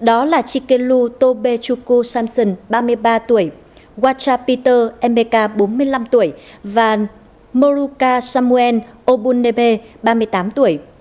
đó là chikelu tobechukwu samson ba mươi ba tuổi wacha peter emeka bốn mươi năm tuổi và moruka samuel obunebe ba mươi tám tuổi